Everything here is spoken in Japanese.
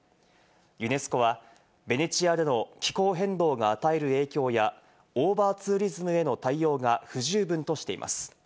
ユネスコはベネチアでの気候変動が与える影響や、オーバーツーリズムへの対応が不十分としています。